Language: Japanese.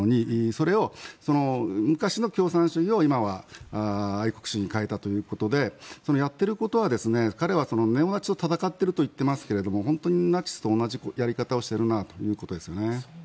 それを昔の共産主義を今は愛国主義に変えたということでやってることは彼はネオナチと戦っていると言ってますけど本当にナチスと同じやり方をしているなということですよね。